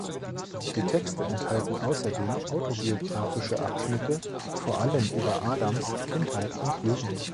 Die Texte enthalten außerdem autobiografische Abschnitte vor allem über Adams' Kindheit und Jugend.